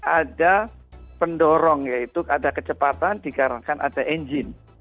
ada pendorong yaitu ada kecepatan dikarenakan ada engine